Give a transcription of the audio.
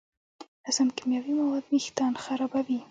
ناسم کیمیاوي مواد وېښتيان خرابوي.